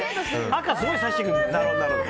赤、すごい差してくる。